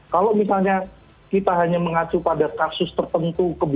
kalau misalnya kita hanya mengacu pada kasus tertentu